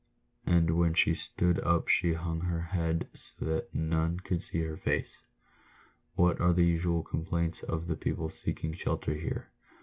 And when she stood up she hung her head so that none could see her face. " What are the usual complaints of the people seeking shelter here